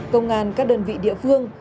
công an các đơn vị địa phương